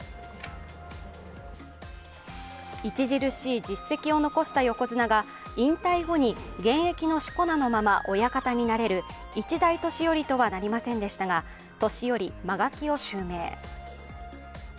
著しい実績を残した横綱が、引退後に現役のしこ名のまま親方となれる一代年寄とは、なれませんでしたが年寄・間垣を襲名。